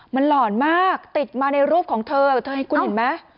มันหล่อนมากติดมาในรูปของเธอเธอคุณเห็นไหม